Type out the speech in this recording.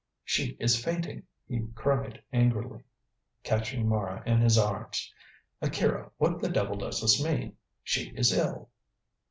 "She is fainting," he cried angrily, catching Mara in his arms. "Akira, what the devil does this mean? She is ill!"